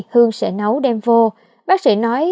hương sẽ nấu đem vô bác sĩ nói